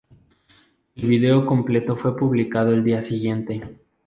El vídeo completo fue publicado el siguiente día.